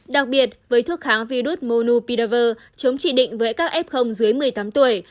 đặc biệt với thuốc kháng virus monopidavir chống chỉ định với các f dưới một mươi tám tuổi